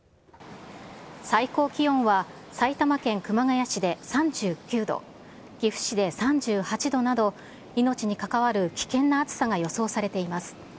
最高気温は、埼玉県熊谷市で３９度、岐阜市で３８度など、命に関わる危険な暑さが予想されています。